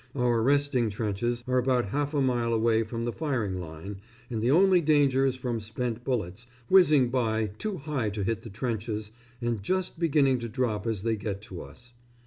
Our resting trenches are about half a mile away from the firing line, and the only danger is from spent bullets, whizzing by too high to hit the trenches, and just beginning to drop as they get to us.